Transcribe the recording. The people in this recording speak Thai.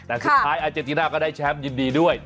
แต่สุดท้ายอาเจนติน่าก็ได้แชมป์ยินดีด้วย